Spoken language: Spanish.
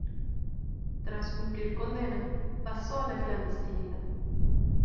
Tras cumplir condena, pasó a la clandestinidad.